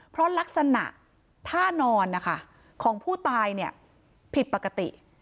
เพราะลักษณะท่านอนของผู้ตายผิดปกติ